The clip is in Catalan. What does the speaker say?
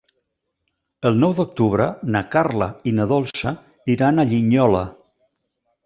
El nou d'octubre na Carla i na Dolça iran a Linyola.